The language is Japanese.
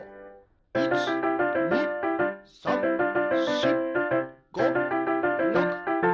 １２３４５６７８。